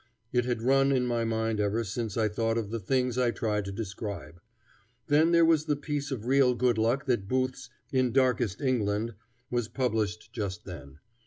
It had run in my mind ever since I thought of the things I tried to describe. Then there was the piece of real good luck that Booth's "In Darkest England" was published just then.